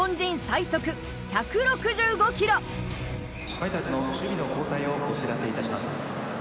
ファイターズの守備の交代をお知らせいたします。